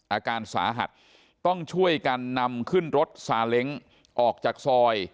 อาการสาหัสต้องช่วยกันนำขึ้นรถซาเล้งออกจากซอย